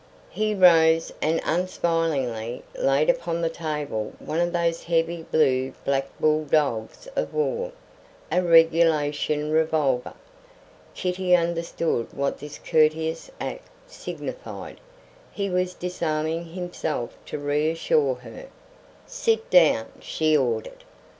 He rose and unsmilingly laid upon the table one of those heavy blue black bull dogs of war, a regulation revolver. Kitty understood what this courteous act signified; he was disarming himself to reassure her. "Sit down," she ordered.